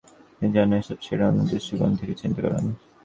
তিনি যেন এসব ছেড়ে অন্য দৃষ্টিকোণ থেকে চিন্তা করেন।